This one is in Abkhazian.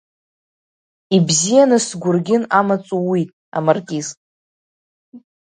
Ибзианы сгәыргьын амаҵ ууит, амаркиз.